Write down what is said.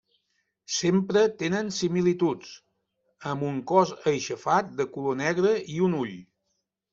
Sempre tenen similituds, amb un cos aixafat de color negre i un ull.